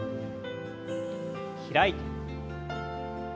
開いて。